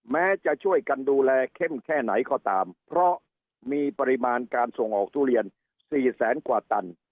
แม้จะช่วยกันดูแลเข้มแค่ไหนก็ตามเพราะมีปริมาณการส่งออกทุเรียน๔แสนกว่าตัน